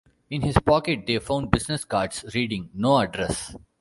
In his pocket they found business cards reading, No Address.